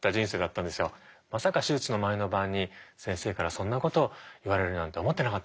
まさか手術の前の晩に先生からそんなことを言われるなんて思ってなかったから